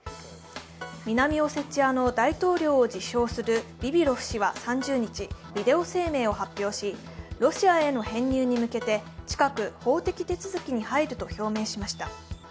南オセチアの大統領を自称するビビロフ氏は３０日、ビデオ声明を発表し、ロシアへの編入に向けて近く法的手続きに入ると表明しました。